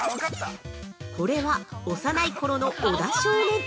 これは幼い頃の小田少年。